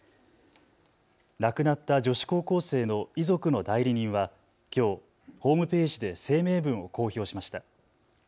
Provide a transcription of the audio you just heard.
亡くなった女子高校生の遺族の代理人はきょう、ホームページで声明文を公表しました。